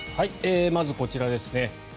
まずこちらですね。